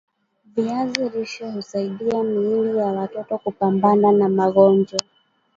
viazi lishe husaidia miili ya watoto kupambana na magojwa